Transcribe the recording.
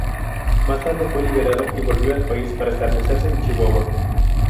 Más tarde fue liberado y volvió al país para establecerse en Chihuahua.